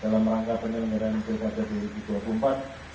terima kasih dalam rangka penyelenggaran pilkada dua ribu dua puluh empat